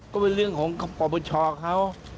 ก็เป็นเรื่องของกระบวนประชาเขา